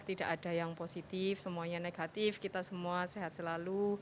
tidak ada yang positif semuanya negatif kita semua sehat selalu